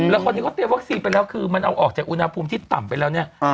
แล้วคนนี้เขาเตรียมวัคซีนไปแล้วคือมันเอาออกจากอุณหภูมิที่ต่ำไปแล้วเนี่ย